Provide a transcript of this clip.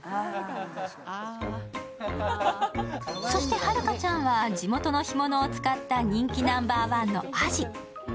そして遥ちゃんは地元の干物を使った人気ナンバーワンのあじ。